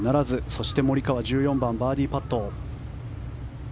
そして、モリカワ１４番、バーディーパット。